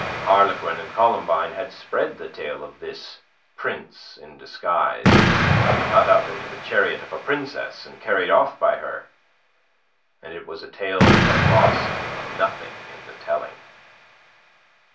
Harlequin and Columbine had spread the tale of this prince in disguise caught up into the chariot of a princess and carried off by her; and it was a tale that had lost nothing in the telling.